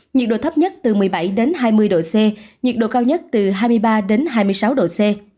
nhiệt độ thấp nhất từ một mươi bảy đến hai mươi độ c nhiệt độ cao nhất từ hai mươi ba đến hai mươi sáu độ c